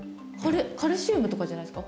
カルシウムとかじゃないですか？